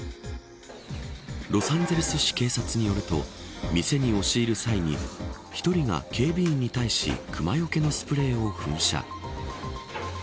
ロサンゼルス市警察によると店に押し入る際に１人が警備員に対しクマよけのスプレーを噴射。